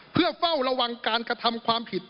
เพื่อเฝ้าระวังการกระทำความผิด